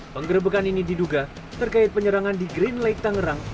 penggerebekan ini diduga terkait penyerangan di green lake tangerang